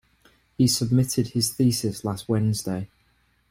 He submitted his thesis last Wednesday.